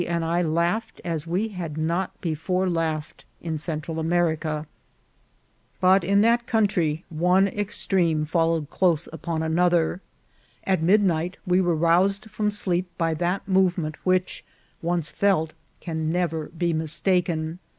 and I laughed as we had not before laughed in Central America. But in that country one extreme followed close upon ANOTHER EARTHQUAKE. 155 another. At midnight we were roused from sleep by that movement which, once felt, can never be mistaken.